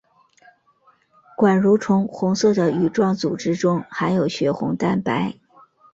管蠕虫红色的羽状组织中含有血红蛋白。